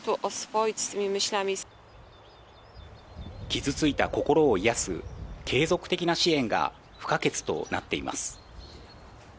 傷ついた心を癒やす、継続的な支援が不可欠となっています。